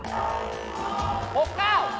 ๖๙เหมือนกัน